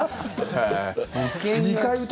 はい。